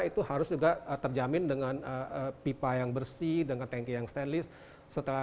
itu harus juga terjamin dengan pipa yang bersih dengan tanki yang stainless